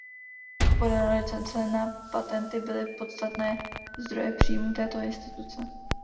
Prodané licence na patenty byly podstatné zdroje příjmů této instituce.